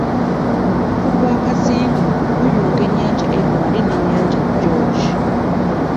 Omukutu gwa Kazinga guyunga ennyanja Edward n'ennyanja George.